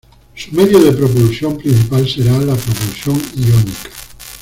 Su medio de propulsión principal será la propulsión iónica.